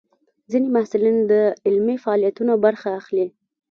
ځینې محصلین د علمي فعالیتونو برخه اخلي.